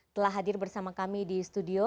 telah hadir bersama kami di studio